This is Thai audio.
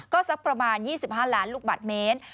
ก็สักประมาณ๒๕ล้านลูกบาทเมตร